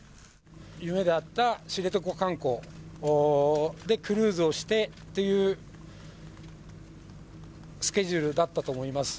夢だった知床観光で、クルーズをしてというスケジュールだったと思います。